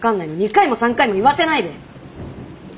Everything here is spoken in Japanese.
２回も３回も言わせないで。